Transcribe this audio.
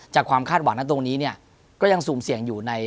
ความคาดหวังนั้นตรงนี้เนี่ยก็ยังสุ่มเสี่ยงอยู่ใน